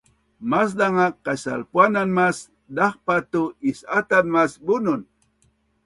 maszang a kaisalpuan an mas dahpa tu is-ataz mas bunun